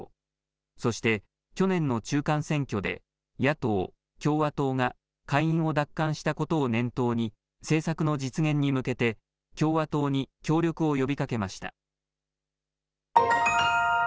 そして、去年の中間選挙で野党・共和党が下院を奪還したことを念頭に、政策の実現に向けて共和党に協力を呼びかけました。